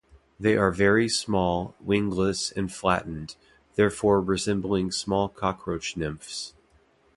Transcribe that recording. They are very small, wingless, and flattened, therefore resembling small cockroach nymphs.